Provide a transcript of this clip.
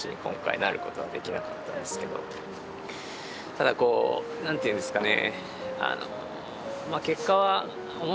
ただこう何て言うんですかね